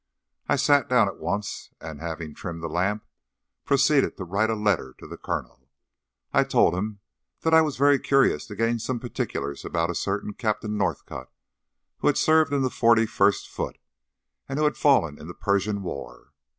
I sat down at once, and, having trimmed the lamp, proceeded to write a letter to the Colonel. I told him that I was very curious to gain some particulars about a certain Captain Northcott, who had served in the Forty first Foot, and who had fallen in the Persian War.